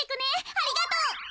ありがとう。